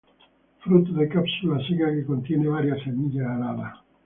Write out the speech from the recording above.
Fruto de cápsula seca que contiene varias semillas aladas.